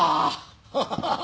ハハハハ！